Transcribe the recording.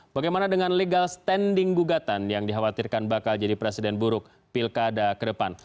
bagaimana dengan legal standing gugatan yang dikhawatirkan bakal jadi presiden buruk pilkada ke depan